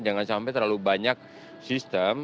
jangan sampai terlalu banyak sistem